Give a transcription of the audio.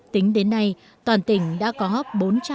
tính đến nay toàn tỉnh đã có hấp bốn trăm bảy mươi hai trăm năm mươi